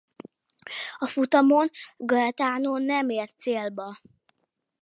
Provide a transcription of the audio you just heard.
A futamon Gaetano nem ért célba.